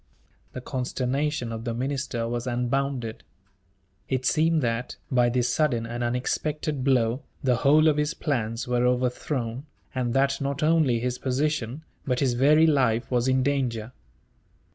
The consternation of the minister was unbounded. It seemed that, by this sudden and unexpected blow, the whole of his plans were overthrown; and that not only his position, but his very life, was in danger.